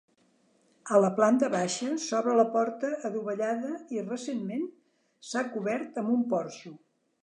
A la planta baixa s'obre la porta adovellada i recentment, s'ha cobert amb un porxo.